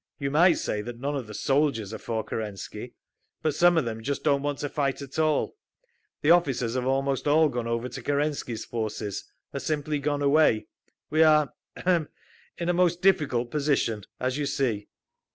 You might say that none of the soldiers are for Kerensky; but some of them just don't want to fight at all. The officers have almost all gone over to Kerensky's forces, or simply gone away. We are—ahem—in a most difficult position, as you see…."